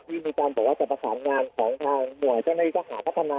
ที่มีการบอกว่าจะประสานงานของทางหน่วยเจ้าหน้าที่ทหารพัฒนา